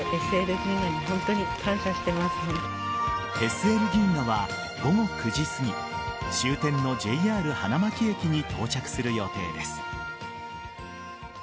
ＳＬ銀河は午後９時すぎ終点のＪＲ花巻駅に到着する予定です。